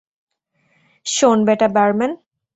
শোন বেটা বারম্যান।